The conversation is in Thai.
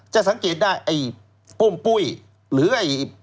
จะสังเกตได้ไอ้ปุ้งปุ้ยหรือไอ้